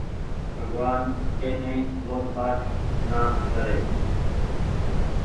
ڀڳوآن ڪي ني مهتآج نآ ڪري۔